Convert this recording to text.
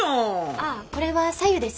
ああこれは白湯です。